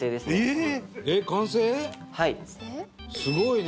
すごいね。